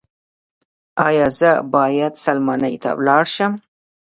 ایا زه باید سلماني ته لاړ شم؟